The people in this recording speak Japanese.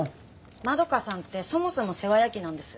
窓花さんってそもそも世話焼きなんです。